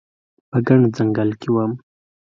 په ګڼ ځنګل کې وم